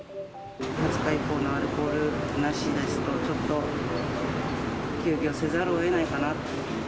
２０日以降もアルコールなしですと、ちょっと休業せざるをえないかな。